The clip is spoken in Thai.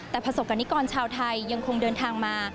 แต่ประสบกรณิกรชาวไทยยังคงเดินทางมา